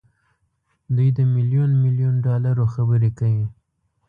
دوی د ميليون ميليون ډالرو خبرې کوي.